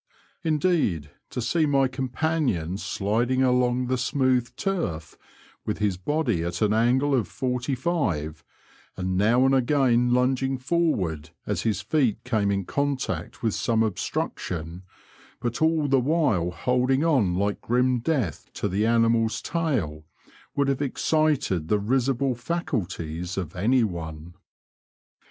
Indeed, to see my companion sliding along the smooth turf, with his body at an angle of forty five, and now and again lunging forward as his feet came in contact with some obstruction, but all iihe while holding on Uke grim death to the animal's tail, would have excited the risible faculties of any one.